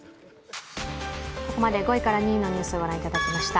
ここまで５位から２位のニュースをご覧いただきました。